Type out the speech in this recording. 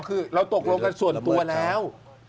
คือเราตกลงกันส่วนตัวแล้ว